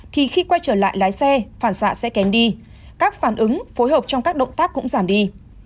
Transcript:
thì khi quay trở lại lái xe phản xạ sẽ kém đi các phản ứng phối hợp trong các động tác cũng giảm đi